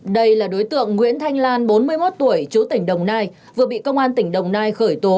đây là đối tượng nguyễn thanh lan bốn mươi một tuổi chú tỉnh đồng nai vừa bị công an tỉnh đồng nai khởi tố